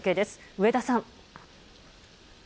上田さん。